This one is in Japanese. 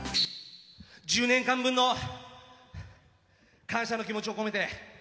１０年間分の感謝の気持ちを込めて歌います。